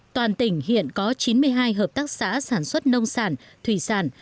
toàn tỉnh hiện có chín mươi hai hợp tác xã sản xuất nông sản thủy sản